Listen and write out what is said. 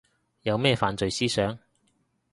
有咩犯罪思想